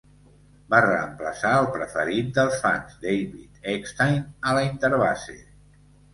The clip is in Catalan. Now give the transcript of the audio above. Va reemplaçar el preferit dels fans, David Eckstein, a la interbase.